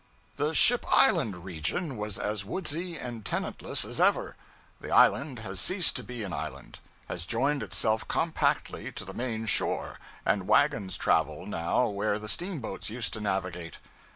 The Ship Island region was as woodsy and tenantless as ever. The island has ceased to be an island; has joined itself compactly to the main shore, and wagons travel, now, where the steamboats used to navigate.